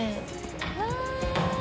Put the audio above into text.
うわ！